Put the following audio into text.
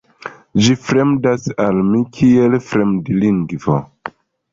Ĝi fremdas al mi kiel fremdlingvo.